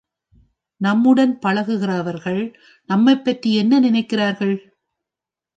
நம்முடன் பழகுகிறவர்கள் நம்மைப் பற்றி என்ன நினைக்கிறார்கள்?